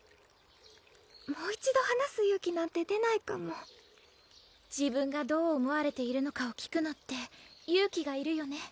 もう一度話す勇気なんて出ないかも自分がどう思われているのかを聞くのって勇気がいるよね